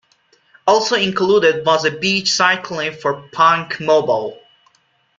Also included was a beach-side clip for Punkmobile.